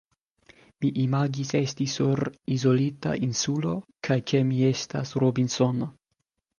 Mi imagis esti sur izolita insulo, kaj ke mi estas Robinsono.